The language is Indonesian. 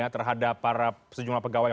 terhadap para sejumlah pegawai